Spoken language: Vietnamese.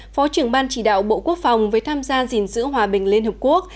phó trưởng ban chỉ đạo bộ quốc phòng với tham gia dình dữ hòa bình liên hợp quốc